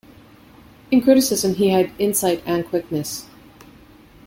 In criticism he had insight and quickness.